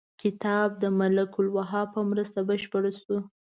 کتاب د ملک الوهاب په مرسته بشپړ شو.